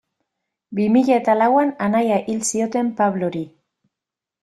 Bi mila eta lauan anaia hil zioten Pablori.